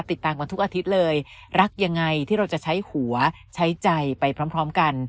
ติดตามกันทุกอาทิตย์เลยรักยังไงที่เราจะใช้หัวใช้ใจไปพร้อมกัน